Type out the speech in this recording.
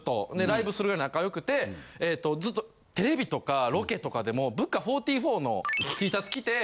ライブするぐらい仲良くてずっとテレビとかロケとかでもＢＵＣＣＡ４４のＴシャツ着て。